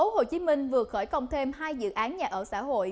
tuy nhiên một khó khăn lớn là nguồn vốn dài hạn